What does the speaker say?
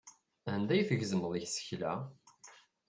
Anda ay tgezzmeḍ isekla?